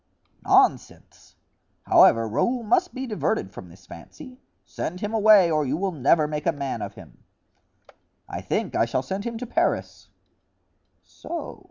"Nonsense! However, Raoul must be diverted from this fancy. Send him away or you will never make a man of him." "I think I shall send him to Paris." "So!"